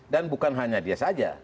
dan bukan hanya dia saja